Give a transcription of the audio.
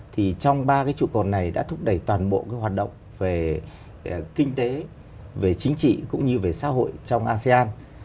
thì trong ba cái trụ cột này đã thúc đẩy toàn bộ cái hoạt động về kinh tế về chính trị cũng như về xã hội trong asean